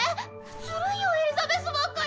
ずるいよエリザベスばっかり。